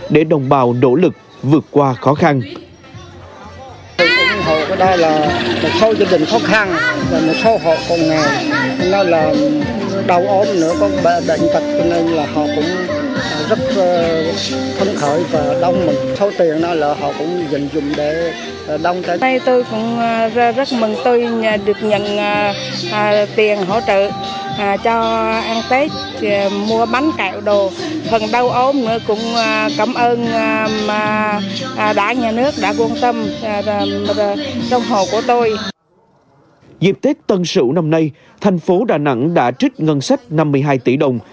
dịp tết tân sửu năm nay thành phố đà nẵng đã trích ngân sách năm mươi hai tỷ đồng